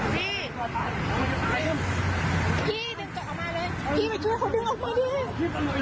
พี่ไปช่วยเขาดึงออกมาดิ